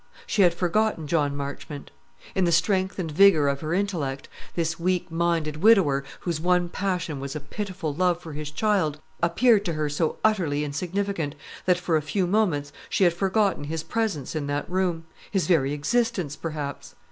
She had forgotten John Marchmont. In the strength and vigour of her intellect, this weak minded widower, whose one passion was a pitiful love for his child, appeared to her so utterly insignificant, that for a few moments she had forgotten his presence in that room his very existence, perhaps.